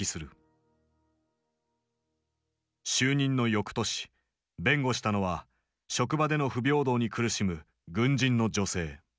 就任のよくとし弁護したのは職場での不平等に苦しむ軍人の女性。